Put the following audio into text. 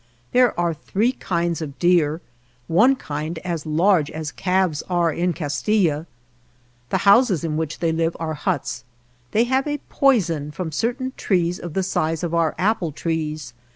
There are three kinds of deer, one kind as large as calves are in Castilla. The houses in which they live are huts. They have a poison, from certain trees of the size of our apple trees.